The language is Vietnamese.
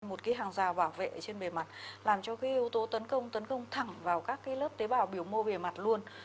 một cái hàng rào bảo vệ trên bề mặt làm cho cái yếu tố tấn công tấn công thẳng vào các cái lớp tế bào biểu mô bề mặt luôn